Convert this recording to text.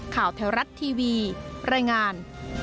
แถวรัฐทีวีรายงาน